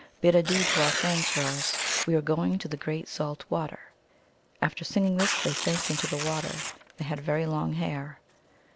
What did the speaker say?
Bid adieu to our friends for us ; We are going to the great salt water. After singing this they sank into the water. They had very long hair.